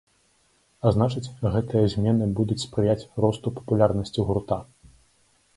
А значыць, гэтыя змены будуць спрыяць росту папулярнасці гурта.